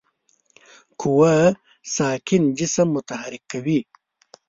قوه ساکن جسم متحرک کوي.